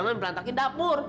jangan berantakin dapur